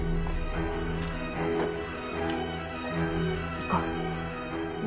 行こう。